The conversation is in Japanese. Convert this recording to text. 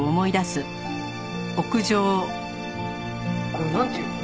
これなんていうの？